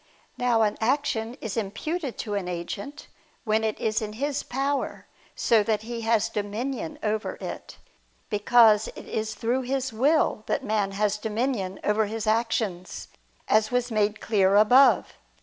Now an action is imputed to an agent, when it is in his power, so that he has dominion over it: because it is through his will that man has dominion over his actions, as was made clear above (Q.